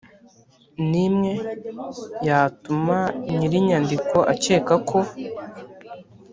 n imwe yatuma nyir inyandiko akeka ko